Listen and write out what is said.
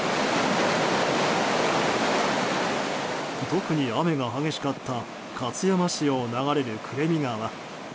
特に雨が激しかった勝山市を流れる暮見川。